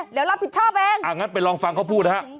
เดี๋ยวรับผิดชอบเองอ่างั้นไปลองฟังเขาพูดนะฮะ